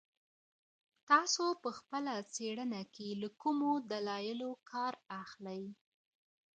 تاسو په خپله څېړنه کي له کومو دلایلو کار اخلئ؟